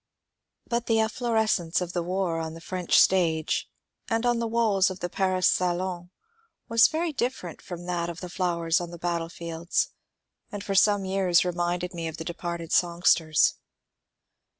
But the efflorescence of the war on the French stage and on the walls of the Paris salon was very different from that of the flowers on the battlefields, and for some years reminded me of the departed songsters.